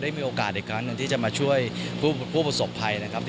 ได้มีโอกาสใดกันที่จะมาช่วยผู้ประสบภัยนะครับ